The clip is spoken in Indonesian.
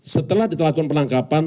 setelah dilakukan penangkapan